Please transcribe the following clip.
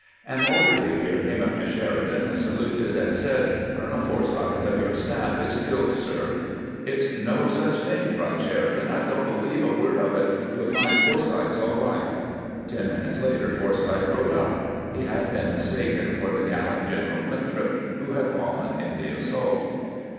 An orderly here came up to Sheridan, saluted, and said :" Colonel Forsyth of your staff is killed, sir." " It 's no such thing !" cried Sheridan. " I don't believe a word of it. You '11 find Forsyth 's all right." Ten minutes later Forsyth rode up. He had been mistaken for the gallant Greneral Winthrop, who had fallen in the assault.